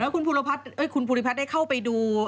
ค่ะแล้วคุณภูริพัทธ์ได้เข้าไปดู